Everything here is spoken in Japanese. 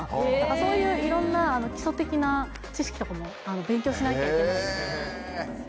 そういういろんな基礎的な知識とかも勉強しなきゃいけないんで。